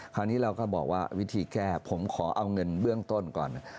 คราวนี้เราก็บอกว่าวิธีแก้ผมขอเอาเงินเบื้องต้นก่อน